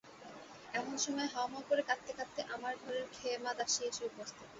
এমন সময়ে হাউ-মাউ করে কাঁদতে কাঁদতে আমার ঘরের ক্ষেমাদাসী এসে উপস্থিত।